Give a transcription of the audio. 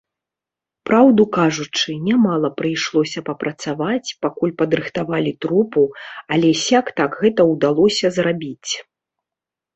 Праўду кажучы, нямала прыйшлося папрацаваць, пакуль падрыхтавалі трупу, але сяк-так гэта ўдалося зрабіць.